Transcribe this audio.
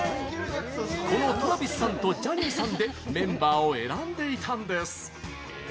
このＴｒａｖｉｓさんとジャニーさんでメンバーを選んでいたんです。